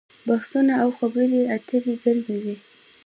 بحثونه او خبرې اترې ګرمې وي.